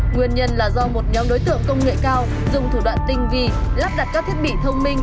nguyên nhân là do một nhóm đối tượng công nghệ cao dùng thủ đoạn tinh vi lắp đặt các thiết bị thông minh